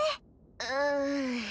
うん。